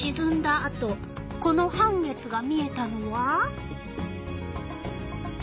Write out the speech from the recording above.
あとこの半月が見えたのは。